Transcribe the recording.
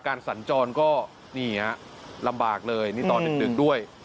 สัญจรก็นี่ฮะลำบากเลยนี่ตอนดึกด้วย